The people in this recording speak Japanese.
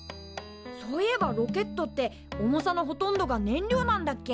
そういえばロケットって重さのほとんどが燃料なんだっけ？